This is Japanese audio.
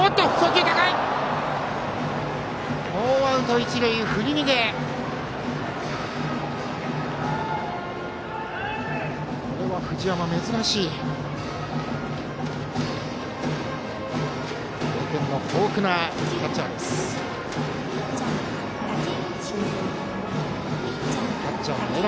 経験豊富なキャッチャー、藤山。